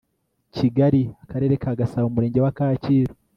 kigali akarere ka gasabo umurenge wa kacyiru